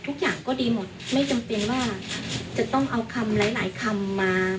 ทุกอย่างก็ดีหมดไม่จำเป็นว่าจะต้องเอาคำหลายหลายคำมา